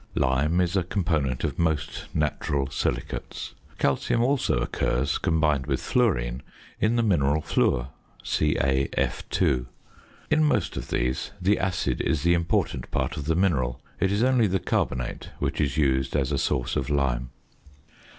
Lime is a component of most natural silicates. Calcium also occurs, combined with fluorine, in the mineral fluor (CaF_). In most of these the acid is the important part of the mineral; it is only the carbonate which is used as a source of lime.